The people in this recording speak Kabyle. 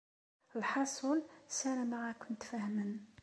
Lḥaṣul, ssarameɣ ad kent-fehmen.